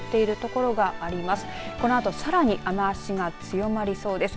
このあとさらに雨足が強まりそうです。